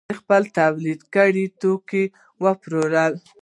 خپل تولید کړي توکي وپلوري.